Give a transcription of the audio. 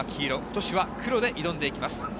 ことしは黒で挑んでいきます。